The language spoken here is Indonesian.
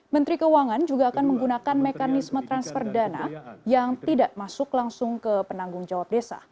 menteri keuangan juga akan menggunakan mekanisme transfer dana yang tidak masuk langsung ke penanggung jawab desa